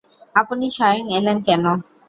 আপনি স্বয়ং এলেন কেন?